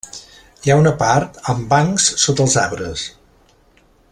Hi ha una part amb bancs sota els arbres.